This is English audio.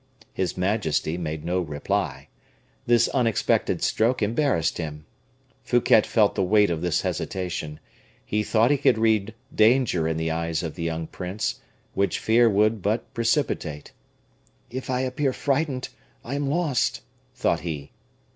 His majesty made no reply; this unexpected stroke embarrassed him. Fouquet felt the weight of this hesitation. He thought he could read danger in the eyes of the young prince, which fear would but precipitate. "If I appear frightened, I am lost," thought he.